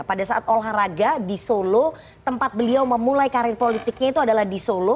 pada saat olahraga di solo tempat beliau memulai karir politiknya itu adalah di solo